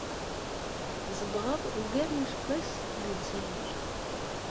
Tzedɣeḍ ugar n useggas deg Ldzayer.